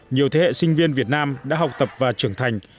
nhiều thế hệ sinh viên việt nam đã học tập và trưởng thành